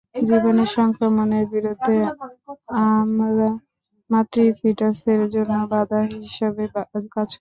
জীবাণু সংক্রমণের বিরুদ্ধে অমরা মাতৃ-ফিটাসের জন্য বাধা হিসাবে কাজ করে।